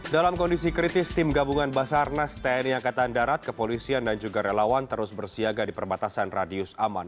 dalam kondisi kritis tim gabungan basarnas tni angkatan darat kepolisian dan juga relawan terus bersiaga di perbatasan radius aman